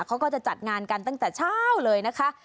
เขาก็จะจัดงานกันตั้งแต่เช้าเลยนะคะ